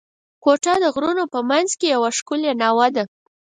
کوټه د غرونو په منځ کښي یوه ښکلې ناوه ده.